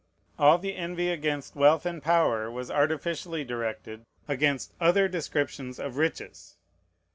All the envy against wealth and power was artificially directed against other descriptions of riches.